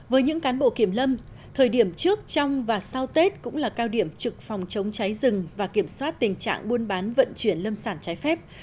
với những cán bộ kiểm lâm thời điểm trước trong và sau tết cũng là cao điểm trực phòng chống cháy rừng và kiểm soát tình trạng buôn bán vận chuyển lâm sản trái phép